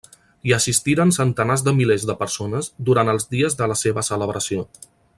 Hi assistiren centenars de milers de persones durant els dies de la seva celebració.